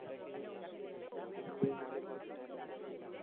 আসছে ঈদে সিএমভির ব্যানারে প্রকাশিত হতে যাওয়া একটি অ্যালবামে থাকবে গানটি।